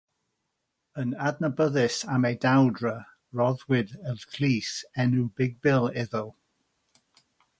Yn adnabyddus am ei dewdra, rhoddwyd y llys enw "Big Bill" iddo.